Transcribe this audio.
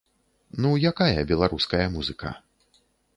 Ну якая беларуская музыка!?